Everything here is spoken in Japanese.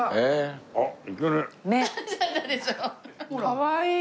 かわいい！